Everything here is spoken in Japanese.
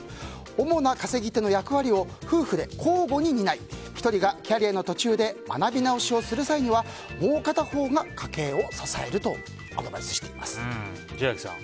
主な稼ぎ手の役割を夫婦で交互に、にない１人がキャリアの途中で学び直しをする際にはもう片方が家計を支えるとアドバイスしています。